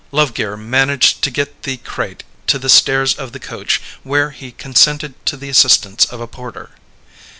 Lovegear managed to get the crate to the stairs of the coach where he consented to the assistance of a porter.